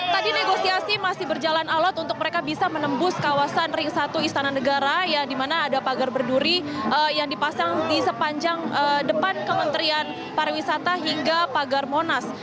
tadi negosiasi masih berjalan alat untuk mereka bisa menembus kawasan ring satu istana negara ya di mana ada pagar berduri yang dipasang di sepanjang depan kementerian pariwisata hingga pagar monas